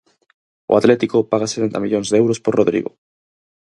O Atlético paga sesenta millóns de euros por Rodrigo.